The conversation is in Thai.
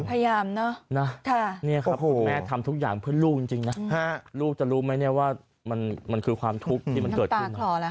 พยายามเนอะนะนี่ครับคุณแม่ทำทุกอย่างเพื่อลูกจริงนะลูกจะรู้ไหมเนี่ยว่ามันคือความทุกข์ที่มันเกิดขึ้น